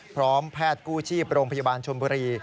พร้อมแพทย์กู้ชีพโรงพยาบาลชนบุรี